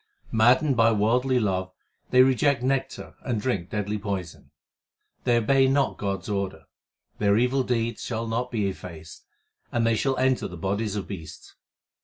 Maddened by worldly love they reject nectar and drink deadly poison. They obey not God s order ; their evil deeds shall not be effaced, and they shall enter the bodies of beasts.